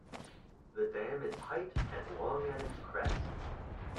The dam is height and long at its crest.